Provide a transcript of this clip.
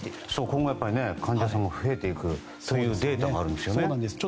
今後、患者さんが増えていくというデータがあるんですよね。